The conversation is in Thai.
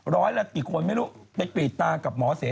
ร้อยละกี่คนไม่รู้ไปกรีดตากับหมอเส